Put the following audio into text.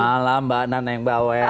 malam mbak nana yang bawa